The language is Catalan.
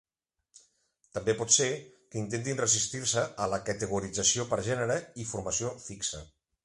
També pot ser que intentin resistir-se a la categorització per gènere i formació fixa.